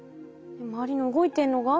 周りの動いてるのが細菌？